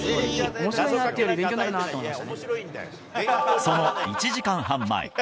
おもしろいなというよりは、その１時間半前。